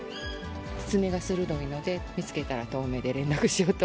爪が鋭いので、見つけたら、遠目で連絡しようと。